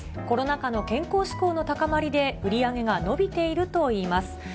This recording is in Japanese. コロナ禍の健康志向の高まりで売り上げが伸びているといいます。